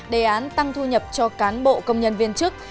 đề án tăng thu nhập cho cán bộ công nhân viên chức